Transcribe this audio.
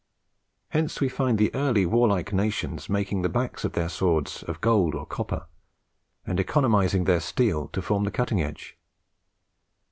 Hence we find the early warlike nations making the backs of their swords of gold or copper, and economizing their steel to form the cutting edge.